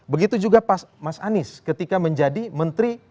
begitu juga mas anies ketika menjadi menteri